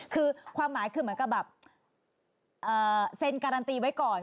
คือความหมายคือเหมือนกับแบบเซ็นการันตีไว้ก่อน